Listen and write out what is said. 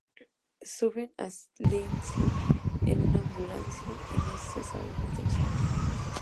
Suben a Lindsey en una ambulancia y no se sabe más de ella.